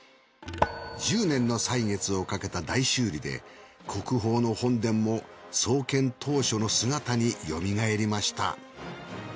１０年の歳月をかけた大修理で国宝の本殿も創建当初の姿によみがえりました。